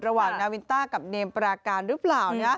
นาวินต้ากับเนมปราการหรือเปล่า